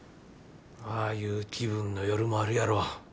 ああいう気分の夜もあるやろ。